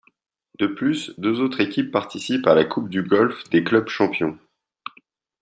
De plus, deux autres équipes participent à la Coupe du golfe des clubs champions.